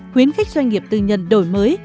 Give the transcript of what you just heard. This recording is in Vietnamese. khuyến khích doanh nghiệp tư nhân đổi mới